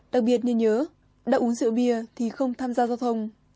đặc biệt nên nhớ đã uống rượu bia thì không tham gia giao thông